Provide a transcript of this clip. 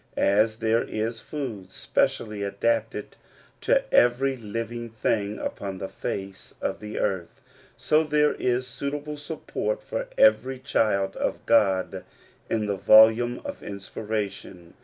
As there is food specially adapted to every living thing upon the face of the earth, so there is suitable support for every child of God in the volume of inspiration.